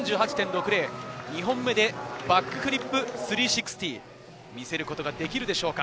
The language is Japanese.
２本目でバックフリップ３６０を見せることができるでしょうか。